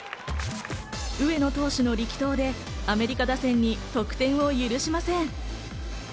上野投手の力投でアメリカ打線に得点を許しません。